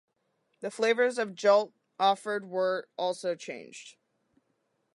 The flavors of Jolt offered were also changed.